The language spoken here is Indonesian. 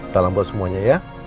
salam buat semuanya ya